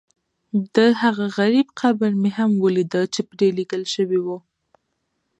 دهغه غریب قبر مې هم ولیده چې پرې لیکل شوي و.